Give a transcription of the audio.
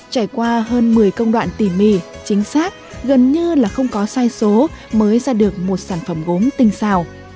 trải qua hơn một mươi công đoạn tỉ mỉ chính xác gần như là không có sai số mới ra được một sản phẩm gốm tinh xào